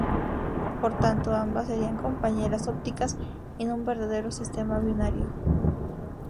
Por tanto, ambas serían compañeras ópticas y no un verdadero sistema binario.